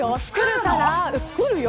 作るよ。